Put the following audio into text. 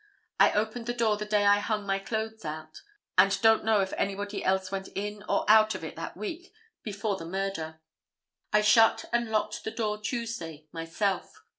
I opened the door the day I hung my clothes out, and don't know if anybody else went in or out of it that week before the murder. I shut and locked the door Tuesday, myself.